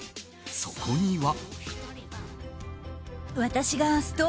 そこには。